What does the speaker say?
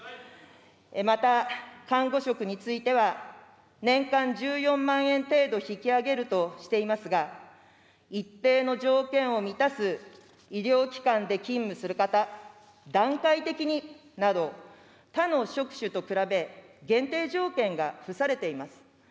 また、看護職については、年間１４万円程度引き上げるとしていますが、一定の条件を満たす医療機関で勤務する方、段階的になど、他の職種と比べ、限定条件が付されています。